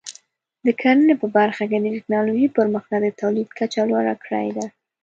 د کرنې په برخه کې د ټکنالوژۍ پرمختګ د تولید کچه لوړه کړې ده.